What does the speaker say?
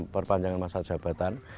perpanjangan masa jabatan